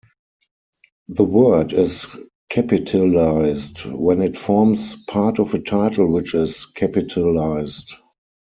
The word is capitalized when it forms part of a title which is capitalized.